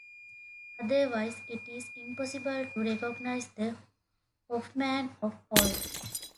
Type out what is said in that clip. Otherwise, it is impossible to recognize the Hofmann of old.